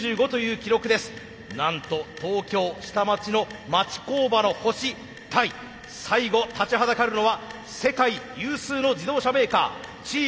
なんと東京下町の町工場の星対最後立ちはだかるのは世界有数の自動車メーカーチームＴ社です。